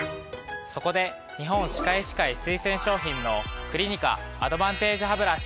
そこで日本歯科医師会推薦商品のクリニカアドバンテージハブラシ。